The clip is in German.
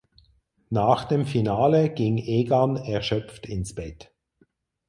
Nach dem Finale ging Egan erschöpft ins Bett.